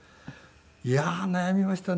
いやー悩みましたね。